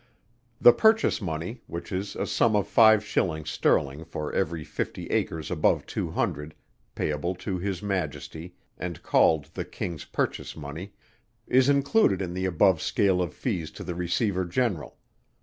The purchase money (which is a sum of five shillings sterling for every fifty acres above two hundred, payable to His Majesty, and called the King's purchase money,) is included in the above scale of fees to the Receiver General.